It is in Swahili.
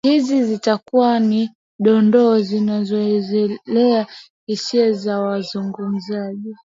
hizi zitakuwa ni dondoo zinazoelezea hisia za wazungumzaji